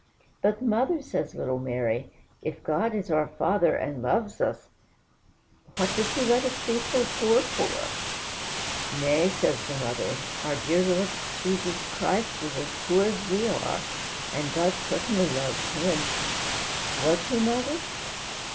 '" "But, mother," says little Mary, "if God is our Father, and loves us, what does he let us be so poor for?" "Nay," says the mother, "our dear Lord Jesus Christ was as poor as we are, and God certainly loved him." "Was he, mother?"